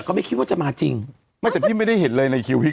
ขอบคุณมากเลยครับ